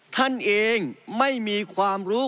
ท่านเองไม่มีความรู้